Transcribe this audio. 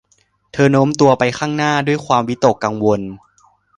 เธอโน้มตัวไปข้างหน้าด้วยความวิตกกังวล